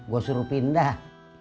gue suruh pindah